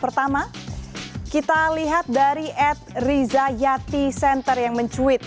pertama kita lihat dari ed riza yati center yang mencuit